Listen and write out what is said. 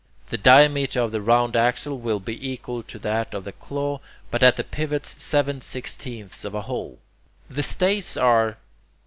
the diameter of the round axle will be equal to that of the claw, but at the pivots seven sixteenths of a hole. 9. The stays are...